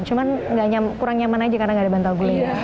cuma kurang nyaman saja karena tidak ada bantal guling